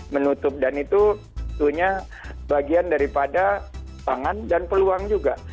menutup dan itu bagian daripada tangan dan peluang juga